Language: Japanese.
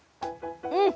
うん！